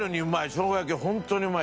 しょうが焼きホントにうまい。